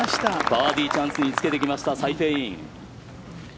バーディーチャンスにつけてきましたサイ・ペイイン。